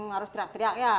harus teriak teriak ya